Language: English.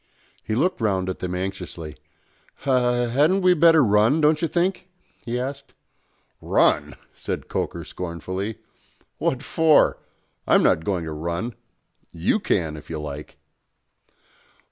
He looked round at them anxiously. "H hadn't we better run, don't you think?" he asked. "Run!" said Coker scornfully. "What for? I'm not going to run. You can, if you like."